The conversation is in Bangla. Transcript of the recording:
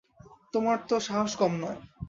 তোমার তো সাহস কম নয়।